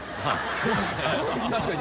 確かに。